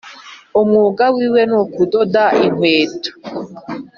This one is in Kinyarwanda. Umwuga wiwe nukudoda inkweto